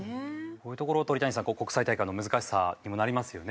こういうところ鳥谷さん国際大会の難しさにもなりますよね。